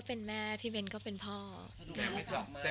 สรุปดอกไม้กุหลาบไม่ได้เคลื่อนดีนะคะ